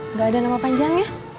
nggak ada nama panjangnya